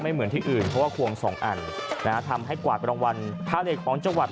ไม่เหมือนที่อื่นเพราะว่าควง๒อันทำให้กวาดเป็นรางวัลพาเรทของจังหวัด